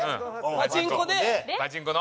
パチンコの？